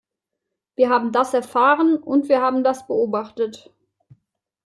Wir haben das erfahren, und wir haben das beobachtet.